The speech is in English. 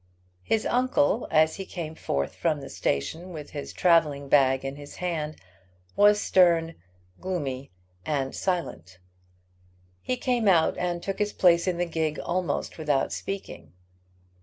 His uncle, as he came forth from the station with his travelling bag in his hand, was stern, gloomy, and silent. He came out and took his place in the gig almost without speaking.